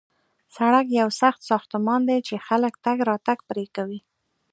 سړک یو سخت ساختمان دی چې خلک تګ راتګ پرې کوي